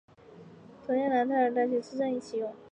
同年楠泰尔大学车站亦启用。